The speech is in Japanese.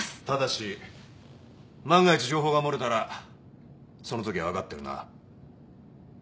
ただし万が一情報が漏れたらそのときは分かってるな？